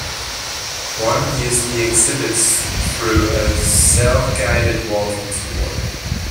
One views the exhibits through a self-guided walking tour.